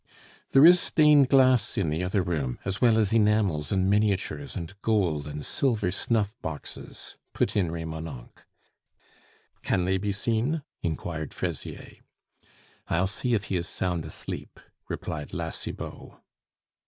"There is stained glass in the other room, as well as enamels and miniatures and gold and silver snuff boxes," put in Remonencq. "Can they be seen?" inquired Fraisier. "I'll see if he is sound asleep," replied La Cibot.